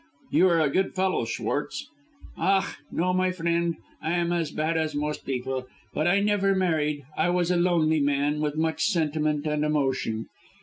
"You are a good fellow, Schwartz." "Ach, no, my friend, I am as bad as most people. But I never married, I was a lonely man with much sentiment and emotion.